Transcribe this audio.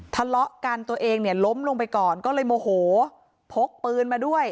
ทะเลาะกันตัวเองเนี่ยล้มลงไปก่อนก็เลยโมโหพกปืนมาด้วย